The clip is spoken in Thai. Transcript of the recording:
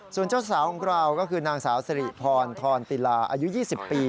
ส่วนเจ้าสาวของเราก็คือนางสาวสิริพรทรติลาอายุ๒๐ปี